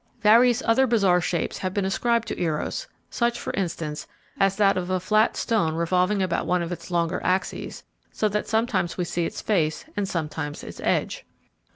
Various other bizarre shapes have been ascribed to Eros, such, for instance, as that of a flat stone revolving about one of its longer axes, so that sometimes we see its face and sometimes its edge.